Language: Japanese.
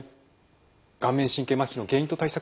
顔面神経まひの原因と対策